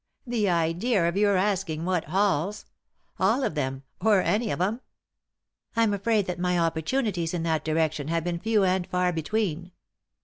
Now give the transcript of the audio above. The idea of your asking what halls 1 All of them— or any of 'em." " I'm afraid that my opportunities in that direction have been few and far between."